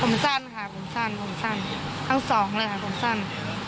ผมสั้นค่ะผมสั้นผมสั้นทั้งสองเลยค่ะผมสั้น